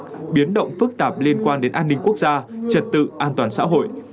đó là một biến động phức tạp liên quan đến an ninh quốc gia trật tự an toàn xã hội